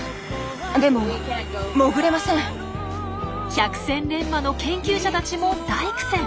百戦錬磨の研究者たちも大苦戦。